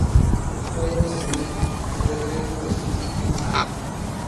ⴰ ⴰⵎⵙⴳⵏⴰⴼ, ⴷⴰⵔⵉ ⴽⵔⴰ ⵏ ⵉⵎⴽⵔⵉⵙⵏ ⴳ ⵜⵎⴽⵜⵉⵜ.